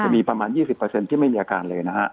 มีประมาณ๒๐ที่ไม่มีอาการเลยนะฮะ